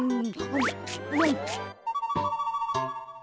うん！